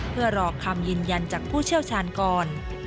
เพื่อรอคำยืนยันจากผู้เชี่ยวชาญก่อน